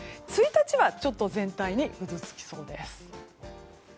１日は、ちょっと全体にぐずつきそうです。